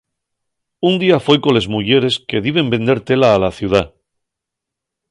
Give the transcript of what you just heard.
Un día foi coles muyeres que diben vender tela a la ciudá.